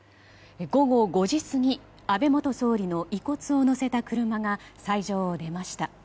午後５時過ぎ安倍元総理の遺骨を乗せた車が斎場を出ました。